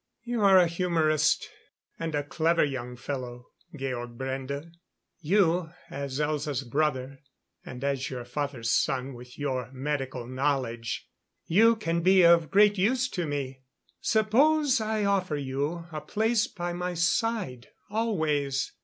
"You are a humorist. And a clever young fellow, Georg Brende. You as Elza's brother and as your father's son with your medical knowledge you can be of great use to me. Suppose I offer you a place by my side always?